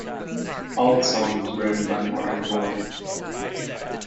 All songs written by Martin Gore.